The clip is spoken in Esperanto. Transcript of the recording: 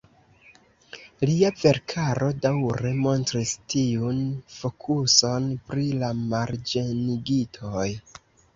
Lia verkaro daŭre montris tiun fokuson pri la marĝenigitoj.